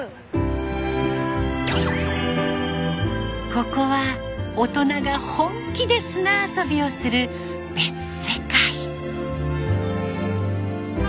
ここは大人が本気で砂遊びをする別世界。